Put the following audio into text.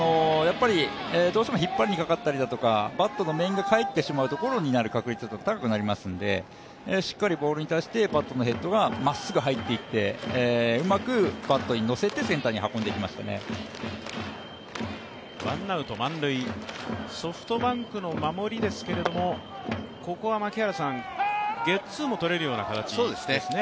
どうしても引っ張りにかかったりだとかバットの面がかえってしまう確率が高くなりますので、しっかりボールに対してバットのヘッドがまっすぐ入っていってうまくバットにのせてソフトバンクの守りですけども、ここはゲッツーもとれるような形ですね。